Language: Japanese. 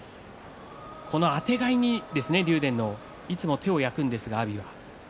この、あてがいに竜電のいつも手を焼くんですが阿炎は。